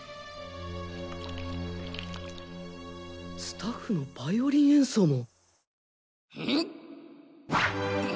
スタッフのバイオリン演奏も。